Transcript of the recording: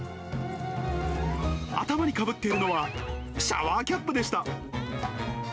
頭にかぶっているのは、シャワーキャップでした。